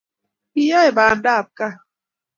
Kiyae bandab kaa